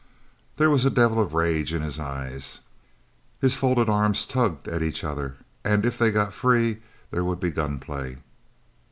There was a devil of rage in his eyes. His folded arms tugged at each other, and if they got free there would be gun play.